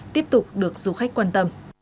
tiếp tục được du khách quan tâm